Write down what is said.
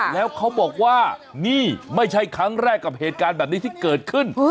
แล้วเขาบอกว่านี่ไม่ใช่ครั้งแรกกับเหตุการณ์แบบนี้ที่เกิดขึ้น